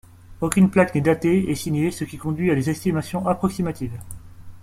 Aucune plaque n'est datée et signée, ce qui conduit à des estimations approximatives.